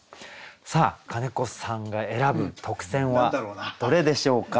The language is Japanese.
さあ金子さんが選ぶ特選はどれでしょうか？